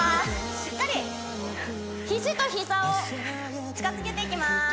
しっかり肘と膝を近づけていきます